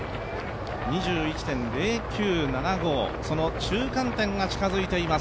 ２１．０９７５、その中間点が近づいています。